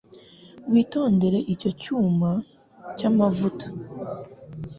Witondere icyo cyuma cyamavuta.